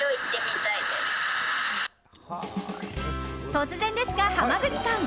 突然ですが、濱口さん。